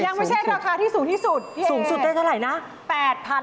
ยังไม่ใช่ราคาที่สูงที่สุดสูงสุดได้เท่าไหร่นะ